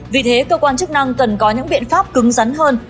vì thế cơ quan chức năng cần có những biện pháp cứng rắn hơn